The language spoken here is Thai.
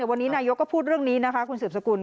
วันนี้นายกก็พูดเรื่องนี้นะคะคุณสืบสกุล